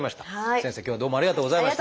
先生今日はどうもありがとうございました。